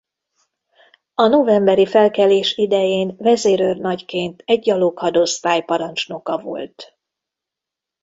A novemberi felkelés idején vezérőrnagyként egy gyaloghadosztály parancsnoka volt.